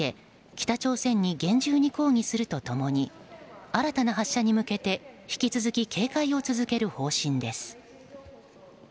北朝鮮に厳重に抗議すると共に新たな発射に向けて引き続き警戒を続ける方針です。